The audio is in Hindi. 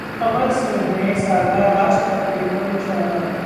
अमर सिंह ने साधा राज ठाकरे पर निशाना